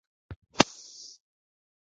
د دولتي پرېکړو وضاحت يې مهم ګاڼه.